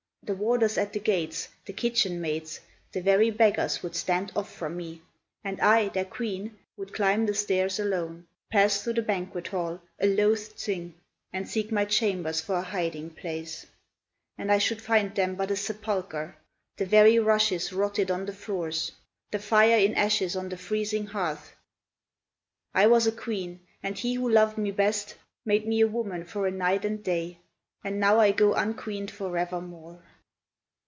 The warders at the gates, the kitchen maids, The very beggars would stand off from me, And I, their queen, would climb the stairs alone, Pass through the banquet hall, a loathed thing, And seek my chambers for a hiding place, And I should find them but a sepulchre, The very rushes rotted on the floors, The fire in ashes on the freezing hearth. I was a queen, and he who loved me best Made me a woman for a night and day, And now I go unqueened forevermore.